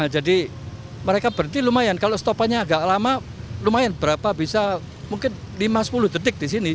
jadi mereka berhenti lumayan kalau stopanya agak lama lumayan berapa bisa mungkin lima sepuluh detik di sini